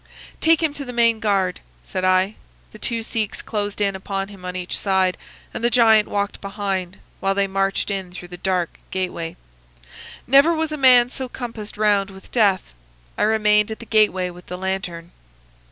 "'Take him to the main guard,' said I. The two Sikhs closed in upon him on each side, and the giant walked behind, while they marched in through the dark gateway. Never was a man so compassed round with death. I remained at the gateway with the lantern.